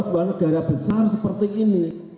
sebuah negara besar seperti ini